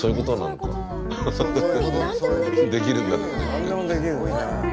何でもできるんだね。